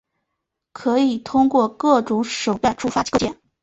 可以通过各种手段触发构建。